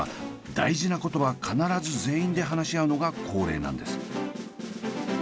大事なことは必ず全員で話し合うのが恒例なんです。